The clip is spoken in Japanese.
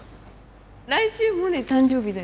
来週モネ誕生日だよね？